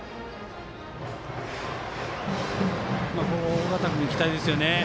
尾形君に期待ですよね。